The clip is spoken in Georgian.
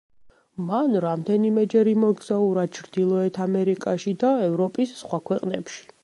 მან რამდენიმეჯერ იმოგზაურა ჩრდილოეთ ამერიკაში და ევროპის სხვა ქვეყნებში.